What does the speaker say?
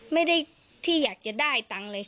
ไม่ได้ที่อยากจะได้ตังค์เลย